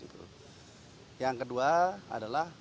yang kedua adalah justru jalan nasional itu digunakan jalan alam